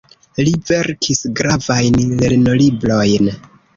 Li verkis gravajn lernolibrojn.